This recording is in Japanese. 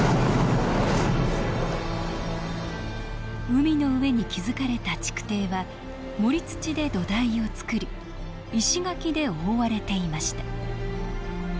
海の上に築かれた築堤は盛り土で土台を造り石垣で覆われていました